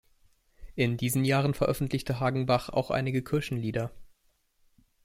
In diesen Jahren veröffentlichte Hagenbach auch einige Kirchenlieder.